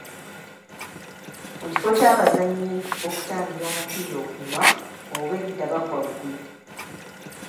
Mu kifo ky'abazannyi okutangira omupiira okunywa, obwedda bagwa bugwi bigwo.